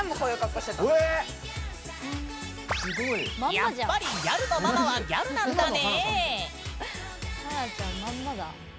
やっぱりギャルのママはギャルなんだね！